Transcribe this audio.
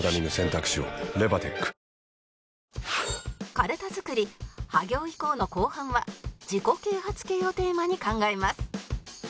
かるた作りは行以降の後半は自己啓発系をテーマに考えます